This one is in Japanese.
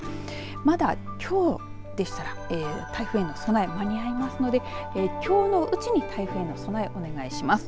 まだ、きょうでしたら台風への備え、間に合いますのできょうのうちに台風への備えをお願いします。